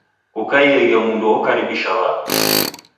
Kukaieghe mundu okaribisha w'andu